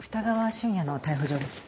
瞬也の逮捕状です。